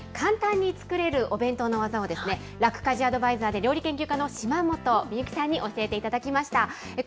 先週に引き続き、簡単に作れるお弁当の技を、ラク家事アドバイザーで料理研究家の島本美由紀さんに教えていただきました。